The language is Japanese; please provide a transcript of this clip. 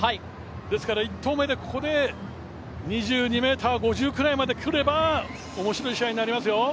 ですから１投目で２２ｍ５０ぐらいまで来れば面白い試合になりますよ。